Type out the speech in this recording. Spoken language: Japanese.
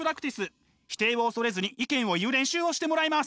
否定を恐れずに意見を言う練習をしてもらいます。